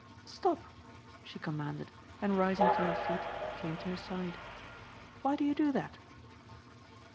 "Stop," she commanded and rising to her feet came to his side. "Why do you do that?"